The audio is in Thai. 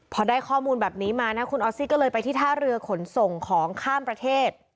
พอได้ข้อมูลแบบนี้มานะคุณออสซี่ก็เลยไปที่ท่าเรือขนส่งของข้ามประเทศ